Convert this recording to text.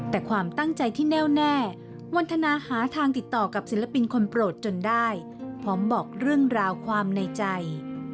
แต่ความตั้งใจที่แน่วแน่วันทนาหาทางติดต่อกับศิลปินคนโปรดจนได้พร้อมบอกเรื่องราวความในใจ